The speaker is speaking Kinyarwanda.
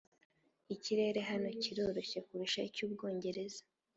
ikirere hano kiroroshye kurusha icy'ubwongereza.